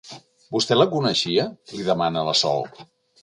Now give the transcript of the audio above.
Vostè la coneixia? —li demana la Sol.